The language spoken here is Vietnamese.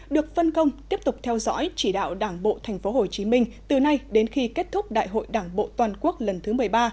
được phân công tiếp tục theo dõi chỉ đạo đảng bộ tp hcm từ nay đến khi kết thúc đại hội đảng bộ toàn quốc lần thứ một mươi ba